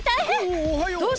おおはよう。